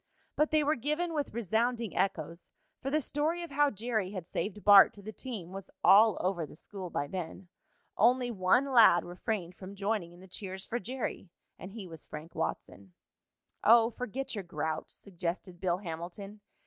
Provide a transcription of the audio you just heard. But they were given with resounding echoes, for the story of how Jerry had saved Bart to the team was all over the school by then. Only one lad refrained from joining in the cheers for Jerry, and he was Frank Watson. "Oh, forget your grouch," suggested Bill Hamilton.